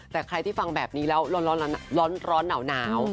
แต่ใครที่ฟังแบบนี้แล้วร้อนหนาว